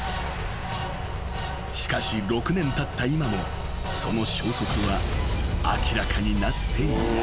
［しかし６年たった今もその消息は明らかになっていない］